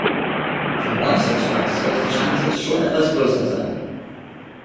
Für Monstertrucks sollte die Schanze schon etwas größer sein.